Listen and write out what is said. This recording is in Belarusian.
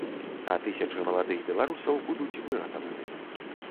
А тысячы маладых беларусаў будуць выратаваны.